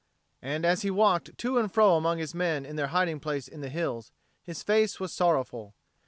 And as he walked to and fro among his men in their hiding place in the hills, his face was sorrowful.